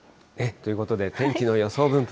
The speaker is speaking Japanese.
ということで、天気の予想分布